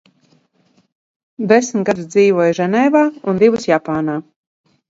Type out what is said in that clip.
Desmit gadus dzīvoja Ženēvā un divus – Japānā.